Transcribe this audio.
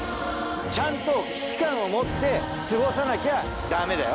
ちゃんと危機感を持って過ごさなきゃダメだよ。